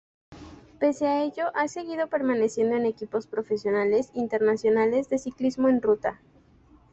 Pese a ello ha seguido permaneciendo en equipos profesionales internacionales de ciclismo en ruta.